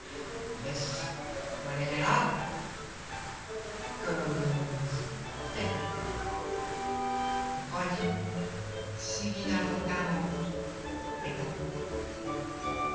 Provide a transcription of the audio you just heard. これをこうしてここにふしぎなボタンをペタッペタッ。